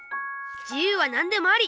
自由は何でもあり！